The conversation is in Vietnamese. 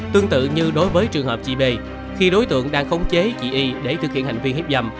tương tự như đối với trường hợp chị b khi đối tượng đang khống chế chị y để thực hiện hành vi hiếp dâm